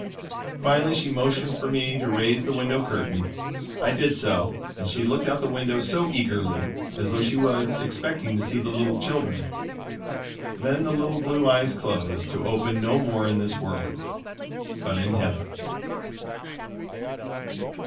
Finally she motioned for me to raise the window curtain. I did so and she looked out the window so eagerly, as though she was expecting to see the little children. Then the little blue eyes closed to open no more in this world, but in heaven.